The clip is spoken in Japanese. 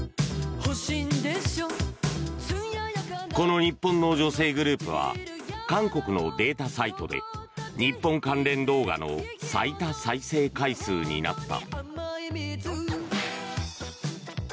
この日本の女性グループは韓国のデータサイトで日本関連動画の最多再生回数になった。